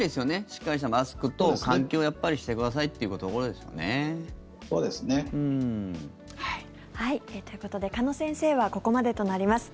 しっかりマスクと換気をしてくださいそうですね。ということで鹿野先生はここまでとなります。